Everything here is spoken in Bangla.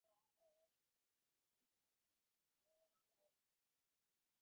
বললে, কে বলেছিল তাঁকে আমাদের এই অপমান করতে আসতে!